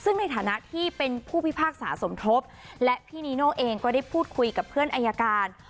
ซึ่งในฐานะที่เป็นผู้พิพากษาสมทบและพี่นีโน่เองก็ได้พูดคุยกับเพื่อนอายการ